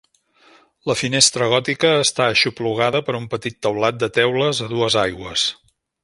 La finestra gòtica està aixoplugada per un petit teulat de teules a dues aigües.